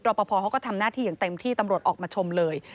ปภเขาก็ทำหน้าที่อย่างเต็มที่ตำรวจออกมาชมเลย